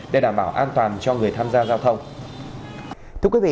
để đảm bảo an toàn cho người tham gia giao thông